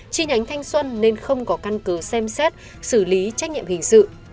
chi nhánh thanh xuân nên không có căn cứ xem xét xử lý trách nhiệm hình sự